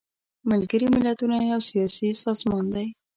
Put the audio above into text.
ملګري ملتونه یو سیاسي سازمان دی.